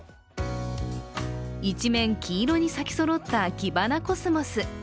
一面、黄色に咲きそろったキバナコスモス。